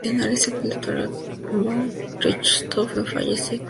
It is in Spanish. El piloto Lothar von Richthofen falleció en el accidente.